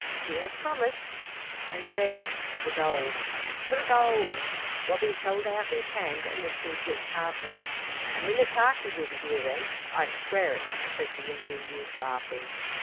"She has promised." "And then for the gold!" "For the gold!" Wabi held out his hand and the two gripped heartily. "And Minnetaki will be here then I swear it!" said the Indian youth, laughing.